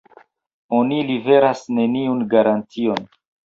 Oni liveras neniun garantion.